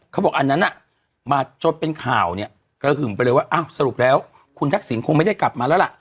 เขาบอกอันนั้นมาจนเป็นข่าวเนี่ยกระหึ่มไปเลยว่าอ้าวสรุปแล้วคุณทักษิณคงไม่ได้กลับมาแล้วล่ะ